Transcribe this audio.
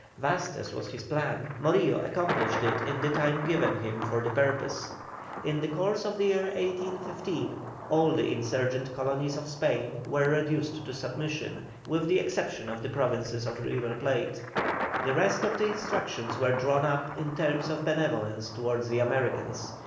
Vast as was this plan, Morillo accomplished it in the time given him for the purpose. In the course of the year 1815 all the insurgent colonies of Spain were reduced to submission, with the exception of the Provinces of the River Plate. The rest of the instructions were drawn up in terms of benevolence towards the Americans.